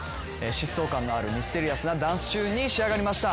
疾走感のあるミステリアスなダンスチューンに仕上がりました。